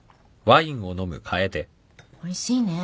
おいしいね。